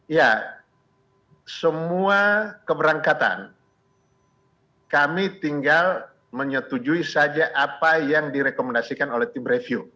ya semua keberangkatan kami tinggal menyetujui saja apa yang direkomendasikan oleh tim review